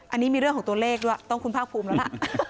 อันนี้มีเรื่องของตัวเลขด้วยต้องคุณภาคภูมิแล้วล่ะ